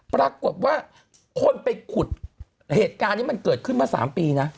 ปรากฏว่าคนไปขุดเหตุการณ์นี้มันเกิดขึ้นมา๓ปีนะ